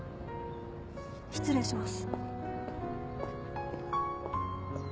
失礼します。